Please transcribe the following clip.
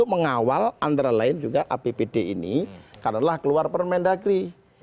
mengawal antara lain juga apbd ini karena keluar permendagri